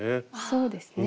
そうですね